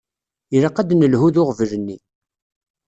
Ilaq ad d-nelhu d uɣbel-nni.